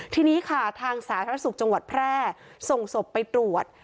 ทีนี้ค่ะทางสาธารณสุขจังหวัดแพร่ส่งศพไปตรวจ